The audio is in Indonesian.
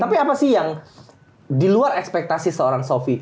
tapi apa sih yang di luar ekspektasi seorang sofi